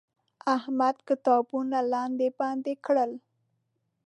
احمد کتابونه لاندې باندې کړل.